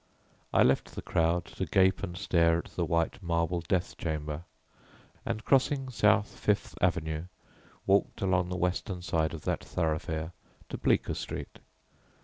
I left the crowd to gape and stare at the white marble Death Chamber, and, crossing South Fifth Avenue, walked along the western side of that thoroughfare to Bleecker Street.